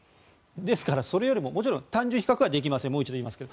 ですから、それよりももちろん単純比較できませんもう一度言いますが。